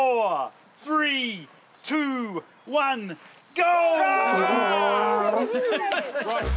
ゴー！